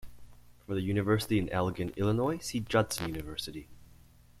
For the university in Elgin, Illinois, see Judson University.